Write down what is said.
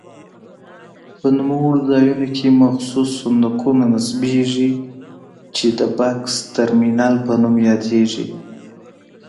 په نوموړو ځایونو کې مخصوص صندوقونه نصبېږي چې د بکس ترمینل په نوم یادیږي.